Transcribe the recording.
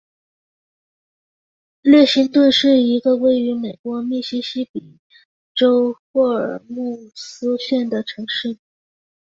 列辛顿是一个位于美国密西西比州霍尔姆斯县的城市。